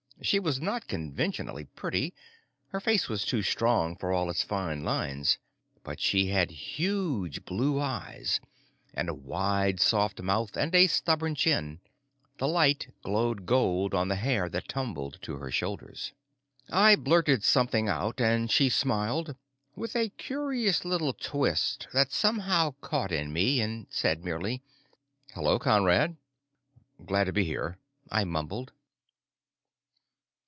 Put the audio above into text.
She was not conventionally pretty, her face was too strong for all of its fine lines, but she had huge blue eyes and a wide soft mouth and a stubborn chin. The light glowed gold on the hair that tumbled to her shoulders. I blurted something out and she smiled, with a curious little twist that somehow caught in me, and said merely, "Hello, Conrad." "Glad to be here," I mumbled.